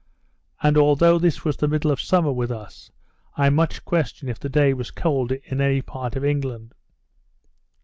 And, although this was the middle of summer with us, I much question if the day was colder in any part of England.